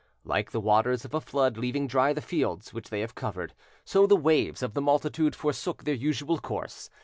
Like the waters of a flood leaving dry the fields which they have covered, so the waves of the multitude forsook their usual course.